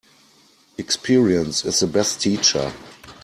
Experience is the best teacher.